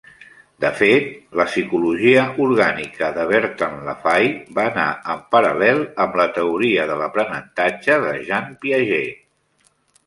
De fet, la psicologia orgànica de Bertalanffy va anar en paral·lel amb la teoria de l'aprenentatge de Jean Piaget.